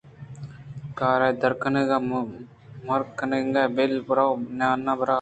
کار ءِ درکنگ مرکنگ ءَ بل برو ناناں بیار